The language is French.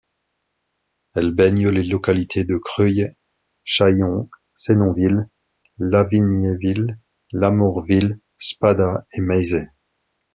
Elle baigne les localités de Creuë, Chaillon, Senonville, Lavignéville, Lamorville, Spada et Maizey.